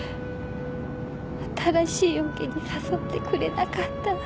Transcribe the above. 新しいオケに誘ってくれなかった。